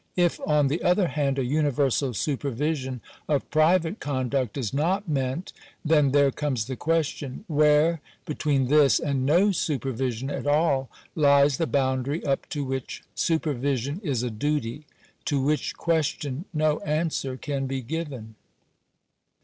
If, on the other hand, a uni versal supervision of private conduct is not meant, then there comes the question — Where, between this and no supervision at all, lies the boundary up to which supervision is a duty ? To which question no answer can be given.